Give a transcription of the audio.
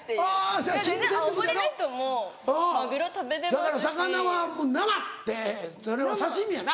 だから魚はもう生！ってそれは刺し身やな。